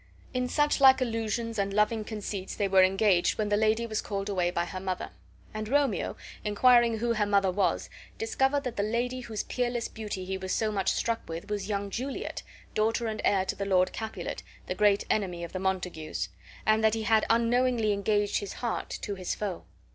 In such like allusions and loving conceits they were engaged when the lady was called away to her mother. And Romeo, inquiring who her mother was, discovered that the lady whose peerless beauty he was so much struck with was young Juliet, daughter and heir to the Lord Capulet, the great enemy of the Montagues; and that he had unknowingly engaged his heart to his foe.